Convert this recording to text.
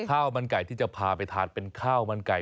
ข้าวมันไก่ที่จะพาไปทานเป็นข้าวมันไก่